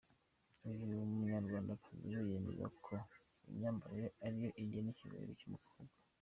Uyu munyarwandakazi we yemeza ko imyambarire ari yo igena icyubahiro cy’umukobwa.